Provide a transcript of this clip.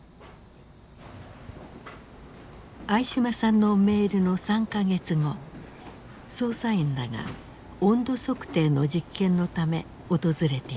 相嶋さんのメールの３か月後捜査員らが温度測定の実験のため訪れていた。